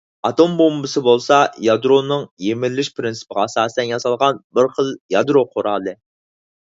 ئاتوم بومبىسى بولسا يادرونىڭ يىمىرىلىش پىرىنسىپىغا ئاساسەن ياسالغان بىرخىل يادرو قورالى.